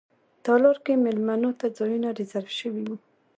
تالار کې میلمنو ته ځایونه ریزرف شوي وو.